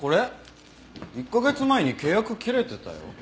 １カ月前に契約切れてたよ。